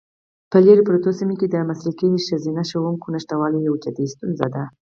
په لیرې پرتو سیمو کې د مسلکي ښځینه ښوونکو نشتوالی یوه جدي ستونزه ده.